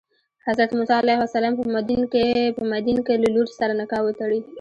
حضرت موسی علیه السلام په مدین کې له لور سره نکاح وتړي.